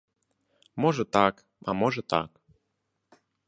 Можа так, а можа так.